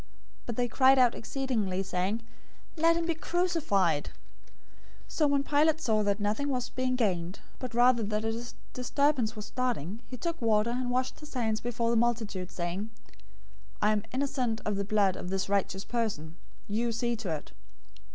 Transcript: But they cried out exceedingly, saying, "Let him be crucified!" 027:024 So when Pilate saw that nothing was being gained, but rather that a disturbance was starting, he took water, and washed his hands before the multitude, saying, "I am innocent of the blood of this righteous person. You see to it."